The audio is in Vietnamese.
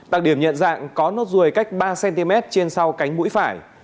đặc điểm nhận dạng có nốt ruồi cách ba cm trên sau cánh mũi phải